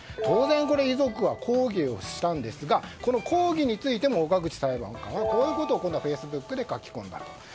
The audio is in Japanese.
当然、遺族は抗議をしたんですがこの抗議についても岡口裁判官はこういうことをフェイスブックで書き込んだ。